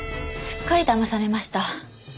すっかりだまされました。